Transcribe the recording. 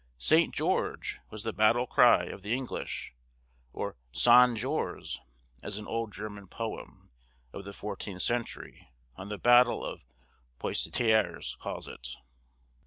"St. George!" was the old battle cry of the English, or "Sand Jors!" as an old German poem, of the fourteenth century, on the battle of Poictiers, calls it.